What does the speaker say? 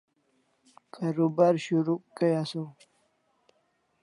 karubar shurukh kai asaw